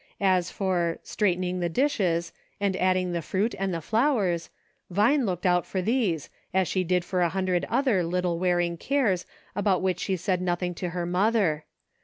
As for "straightening the dishes,!* and adding the fruit, and the fiowers, Vine looked out for these, as she did for a hundred other little wearing cares about which she said nothing to her mother.